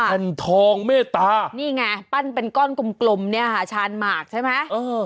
แผ่นทองเมตตานี่ไงปั้นเป็นก้อนกลมเนี่ยค่ะชานหมากใช่ไหมเออ